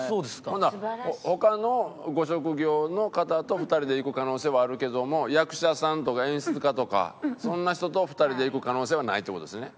ほんなら他のご職業の方と２人で行く可能性はあるけども役者さんとか演出家とかそんな人と２人で行く可能性はないっていう事ですね？